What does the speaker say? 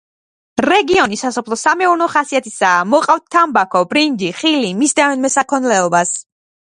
რეგიონი სასოფლო-სამეურნეო ხასიათისაა, მოყავთ თამბაქო, ბრინჯი, ხილი, მისდევენ მესაქონლეობას.